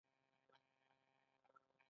دا سیسټمونه لکه برقي دروازې په خپله کنټرولیږي.